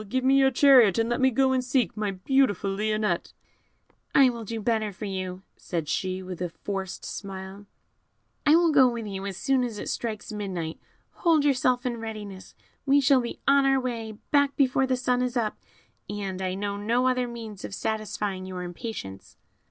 Give me your chariot, and let me go and seek my beautiful Lionette." "I will do better for you," said she, with a forced smile; "I will go with you as soon as it strikes midnight; hold yourself in readiness; we shall be on our way back before the sun is up, and I know no other means of satisfying your impatience."